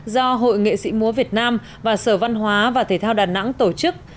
do hội nghệ sĩ múa việt nam và sở văn hóa và thể thao đà nẵng tổ chức